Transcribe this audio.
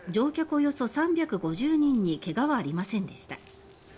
およそ３５０人に怪我はありませんでした。